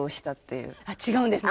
違うんですね。